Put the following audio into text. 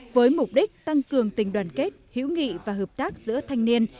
với mục đích tăng cường tình đoàn kết hữu nghị và hợp tác giữa thanh niên